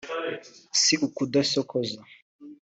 si ukudasokoza